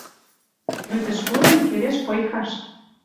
Лӱдӹш годым келеш пыйхаш